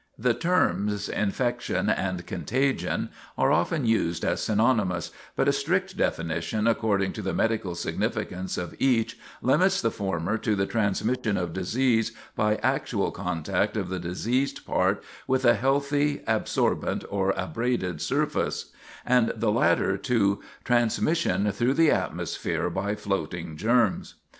The terms "infection" and "contagion" are often used as synonymous; but a strict definition according to the medical significance of each limits the former to "the transmission of disease by actual contact of the diseased part with a healthy absorbent or abraded surface," and the latter to "transmission through the atmosphere by floating germs."